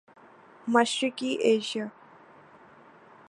مشرقی ایشیا